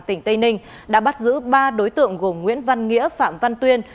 tỉnh tây ninh đã bắt giữ ba đối tượng gồm nguyễn văn nghĩa phạm văn tuyên